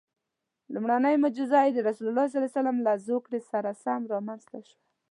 لومړنۍ معجزه یې د رسول الله له زوکړې سره سم رامنځته شوه.